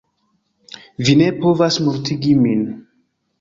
Vi ne povas mortigi min!